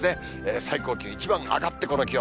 最高気温一番上がってこの気温。